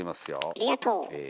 ありがとう！え？